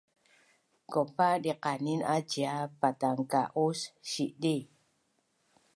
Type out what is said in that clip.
Kaupa diqanin a cia patangka’us sidi